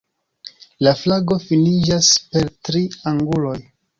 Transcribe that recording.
La flago finiĝas per tri anguloj.